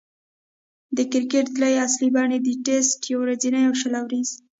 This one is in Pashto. د کرکټ درې اصلي بڼې دي: ټېسټ، يو ورځنۍ، او شل اووريز.